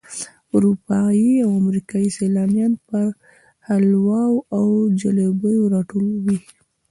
اروپایي او امریکایي سیلانیان پر حلواو او جلبیو راټول وي.